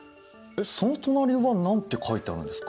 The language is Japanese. その隣は何て書いてあるんですか？